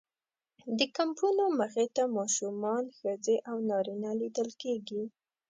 د کمپونو مخې ته ماشومان، ښځې او نارینه لیدل کېږي.